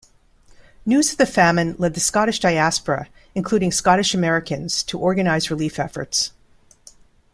News of the famine led the Scottish diaspora, including Scottish-Americans, to organise relief efforts.